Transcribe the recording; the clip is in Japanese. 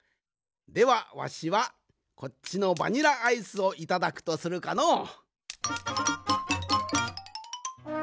ではわしはこっちのバニラアイスをいただくとするかのう。